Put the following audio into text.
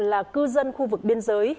là cư dân khu vực biên giới